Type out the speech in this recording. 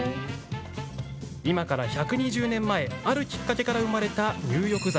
今から１２０年前あるきっかけから生まれた入浴剤。